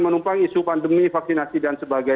mestilah kita ibu punya pengorban sendiri